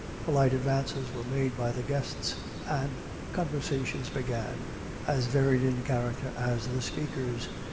Polite advances were made by the guests, and conversations began, as varied in character as the speakers.